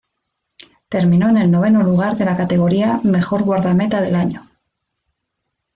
Terminó en el noveno lugar de la categoría "mejor guardameta del año".